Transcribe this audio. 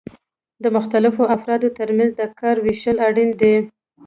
د مختلفو افرادو ترمنځ د کار ویشل اړین دي.